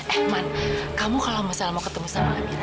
eh man kamu kalau masalah mau ketemu sama amira